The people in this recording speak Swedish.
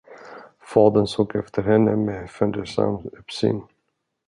Fadern såg efter henne med fundersam uppsyn.